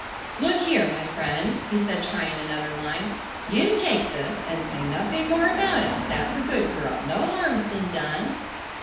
"Look here, my friend," he said trying another line, "you take this and say nothing more about it. That's a good girl. No harm's been done."